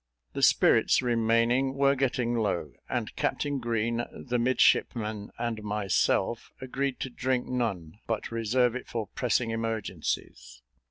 The spirits remaining were getting low, and Captain Green, the midshipman, and myself, agreed to drink none, but reserve it for pressing emergencies.